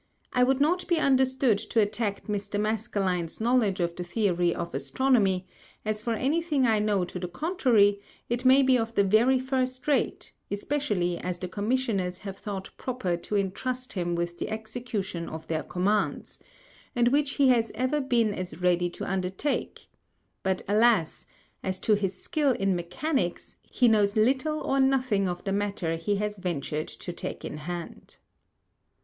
I would not be understood to attack Mr. _Maskelyne_ŌĆÖs Knowledge of the Theory of Astronomy; as for any Thing I know to the contrary, it may be of the very first Rate, especially as the Commissioners have thought proper to entrust him with the Execution of their commands; and which he has ever been as ready to undertake: But alas! as to his skill in Mechanics, he knows little or nothing of the matter he has venturŌĆÖd to take in Hand.